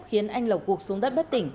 khiến anh lộc cuộc xuống đất bất tỉnh